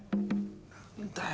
何だよ